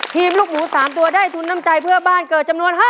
ลูกหมู๓ตัวได้ทุนน้ำใจเพื่อบ้านเกิดจำนวน๕๐